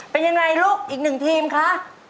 เป็นยังไงลูกอีกหนึ่งทีมคะ